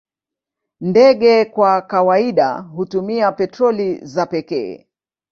Ndege kwa kawaida hutumia petroli za pekee.